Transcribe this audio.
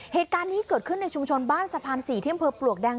เหตุการณ์นี้เกิดขึ้นในชุมชนบ้านสะพาน๔ที่อำเภอปลวกแดง